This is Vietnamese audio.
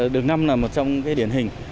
đường năm là một trong cái điển hình